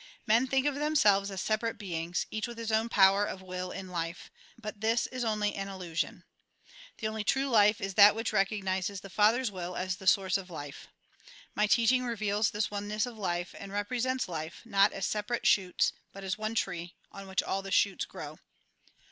" Men think of themselves as sejjarate beings, each with his own power of will in life ; but this is only an illusion. The only true life is that which recognises the Father's will as the source of life. My teaching reveals this oneness of life, and repre sents life, not as separate shoots, but as one tree, on wliich all the shoots grow.